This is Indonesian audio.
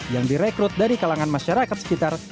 yang direkrut dari kalangan masyarakat sekitar